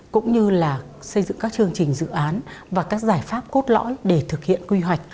cũng như là xây dựng các chương trình dự án và các giải pháp cốt lõi để thực hiện quy hoạch